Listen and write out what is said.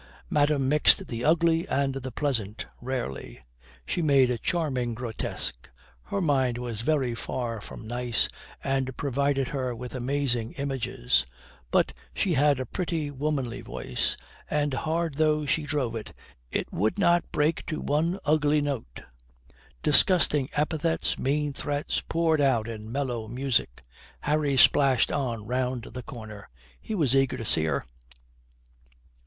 Madame mixed the ugly and the pleasant rarely; she made a charming grotesque. Her mind was very far from nice and provided her with amazing images; but she had a pretty, womanly voice, and hard though she drove it, it would not break to one ugly note. Disgusting epithets, mean threats, poured out in mellow music. Harry splashed on round the corner. He was eager to see her.